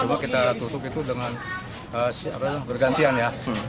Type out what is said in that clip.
cuma kita tutup itu dengan bergantian ya